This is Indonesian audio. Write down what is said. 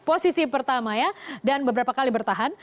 posisi pertama ya dan beberapa kali bertahan